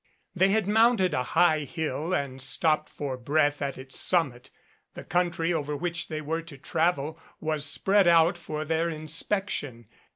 They had mounted a high hill and stopped for breath at its summit. The country over which they were to travel was spread out for their inspection.